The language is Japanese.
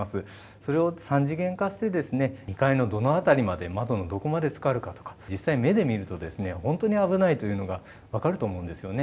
それを３次元化して、２階のどの辺りまで、窓のどこまでつかるかとか、実際、目で見ると、本当に危ないというのが分かると思うんですよね。